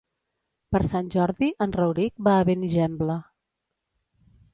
Per Sant Jordi en Rauric va a Benigembla.